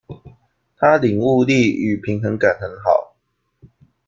他領悟力與平衡感很好